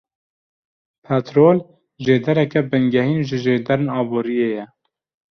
Petrol jêdereke bingehîn ji jêderên aboriyê ye.